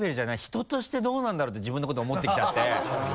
人としてどうなんだろうって自分のこと思ってきちゃって。